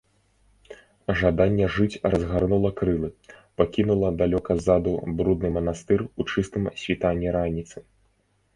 Жаданне жыць разгарнула крылы, пакінула далёка ззаду брудны манастыр у чыстым світанні раніцы.